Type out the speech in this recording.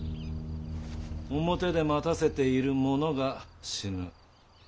表で待たせている者が死ぬ。